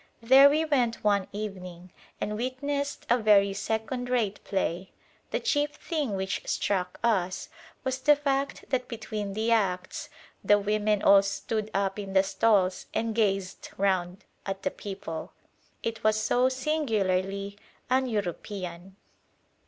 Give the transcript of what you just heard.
There we went one evening and witnessed a very second rate play. The chief thing which struck us was the fact that between the acts the women all stood up in the stalls and gazed round at the people. It was so singularly un European.